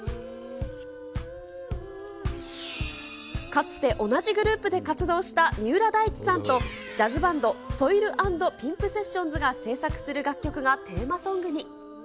かつて同じグループで活動した三浦大知さんと、ジャズバンド、ソイルアンドピンプセッションズが制作する楽曲がテーマソングに。